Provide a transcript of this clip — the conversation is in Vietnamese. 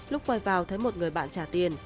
lúc quay vào thấy một người bạn trả tiền